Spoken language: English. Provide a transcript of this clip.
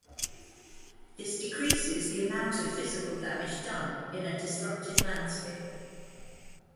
This decreases the amount of physical damage done in a disrupted landscape.